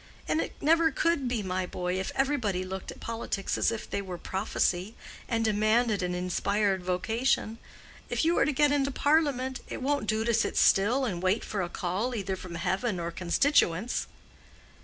And it never could be, my boy, if everybody looked at politics as if they were prophecy, and demanded an inspired vocation. If you are to get into Parliament, it won't do to sit still and wait for a call either from heaven or constituents."